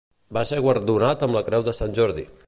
Va ser guardonat amb la Creu de Sant Jordi.